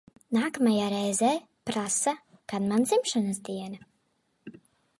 Nākamajā reizē prasa, kad man dzimšanas diena.